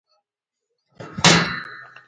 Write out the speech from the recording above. د لاسي صنایعو بازار نه لرل زیان دی.